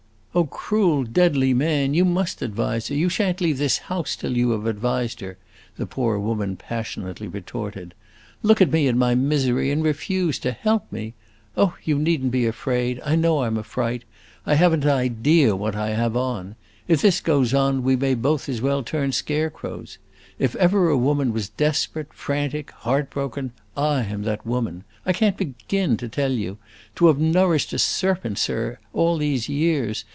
"Oh, cruel, deadly man! You must advise her; you shan't leave this house till you have advised her!" the poor woman passionately retorted. "Look at me in my misery and refuse to help me! Oh, you need n't be afraid, I know I 'm a fright, I have n't an idea what I have on. If this goes on, we may both as well turn scarecrows. If ever a woman was desperate, frantic, heart broken, I am that woman. I can't begin to tell you. To have nourished a serpent, sir, all these years!